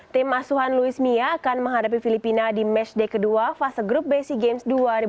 tim asuhan luis mia akan menghadapi filipina di matchday kedua fase grup bc games dua ribu dua puluh